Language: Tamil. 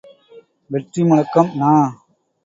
வெற்றி முழக்கம் நா.